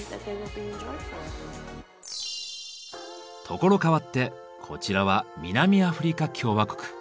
所変わってこちらは南アフリカ共和国。